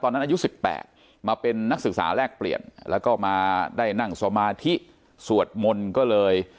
อายุ๑๘มาเป็นนักศึกษาแลกเปลี่ยนแล้วก็มาได้นั่งสมาธิสวดมนต์ก็เลย